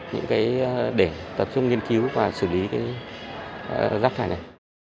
những cái để tập trung nghiên cứu và xử lý cái rác thải này